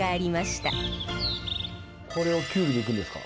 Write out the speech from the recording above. これをきゅうりでいくんですか？